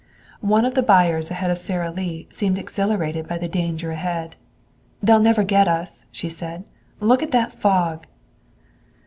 One of the buyers ahead of Sara Lee seemed exhilarated by the danger ahead. "They'll never get us," she said. "Look at that fog!"